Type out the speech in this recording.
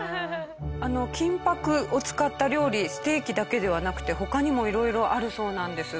金箔を使った料理ステーキだけではなくて他にも色々あるそうなんです。